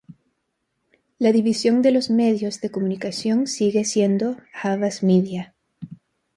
La división de los medios de comunicación sigue siendo Havas Media.